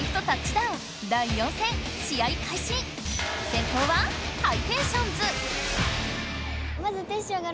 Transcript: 先攻はハイテンションズ！